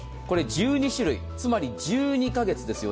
１２種類つまり１２カ月ですよ。